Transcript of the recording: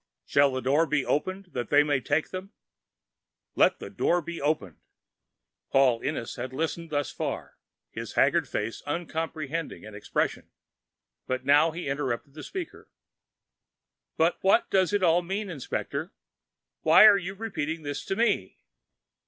_" "Shall the Door be opened that They may take them?" "Let the Door be opened!" Paul Ennis had listened thus far, his haggard face uncomprehending in expression, but now he interrupted the speaker. "But what does it all mean, inspector? Why are you repeating this to me?"